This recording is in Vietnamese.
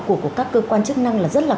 của các cơ quan chức năng là rất là